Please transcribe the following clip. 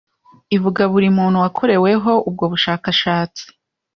Ivuga buri muntu wakoreweho ubwo bushakashatsi